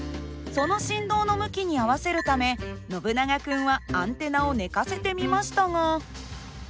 その振動の向きに合わせるためノブナガ君はアンテナを寝かせてみましたが。